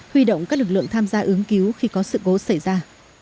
huy động các lực lượng tham gia ứng cứu khi có sự cố xảy ra